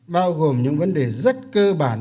bao gồm những vấn đề rất cơ bản